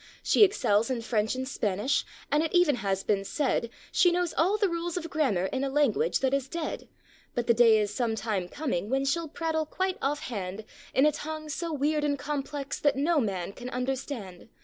She excels in French and Spanish, and it even has been said She knows all the rules of grammar in a language that is dead; But the day is some time coming when sheŌĆÖll prattle quite offhand In a tongue so weird and complex that no man can understand.